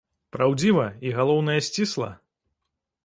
Праўдзіва і, галоўнае, сцісла.